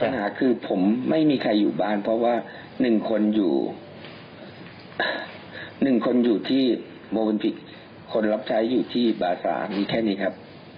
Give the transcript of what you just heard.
สถานการณ์คือผมไม่มีใครอยู่บ้านเพราะว่าหนึ่งคนอยู่หนึ่งคนอยู่ที่โมพันภิกษ์คนรับใช้อยู่ที่บาสามีแค่นี้ครับ